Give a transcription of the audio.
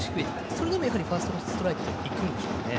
それでもファーストストライクでいくんでしょうか。